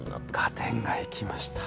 合点がいきました。